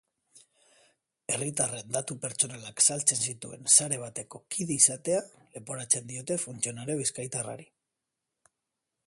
Herritarren datu pertsonalak saltzen zituen sare bateko kide izatea leporatzen diote funtzionario bizkaitarrari.